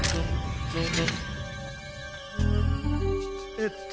えっと